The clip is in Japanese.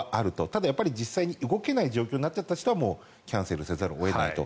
ただ、実際に動けない状況になっちゃった人はもうキャンセルせざるを得ないと。